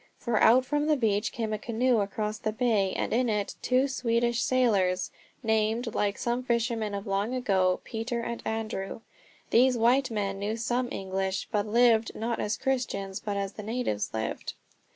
For out from the beach came a canoe across the bay, and in it two Swedish sailors, named, like some fishermen of long ago, Peter and Andrew. These white men knew some English, but lived, not as Christians, but as the natives lived.